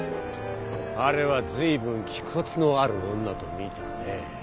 あれは随分気骨のある女と見たね。